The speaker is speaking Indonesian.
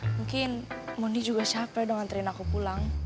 mungkin mondi juga capek dong ngerin aku pulang